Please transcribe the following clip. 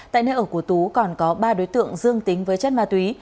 tại nơi ở của tú còn có ba đối tượng dương tính với chất ma túy